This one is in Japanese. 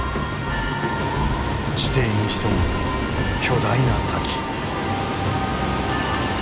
地底に潜む巨大な滝。